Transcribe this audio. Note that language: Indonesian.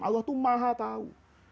allah itu mahatau